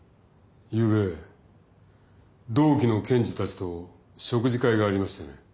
ゆうべ同期の検事たちと食事会がありましてね。